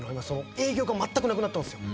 営業が全くなくなったんですよ。